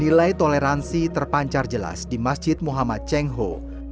nilai toleransi terpancar jelas di masjid muhammad cengho